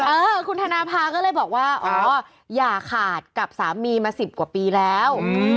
เออคุณธนภาก็เลยบอกว่าอ๋ออย่าขาดกับสามีมา๑๐กว่าปีแล้ว